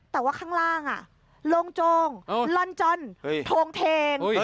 แต่ว่าข้างล่างลงจงลอนจนโทงเทง